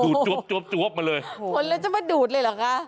ดูดจ๊วบมาเลยผมแล้วจะไปดูดเลยเหรอค่ะ